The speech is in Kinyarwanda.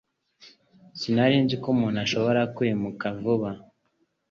Sinari nzi ko umuntu ashobora kwimuka vuba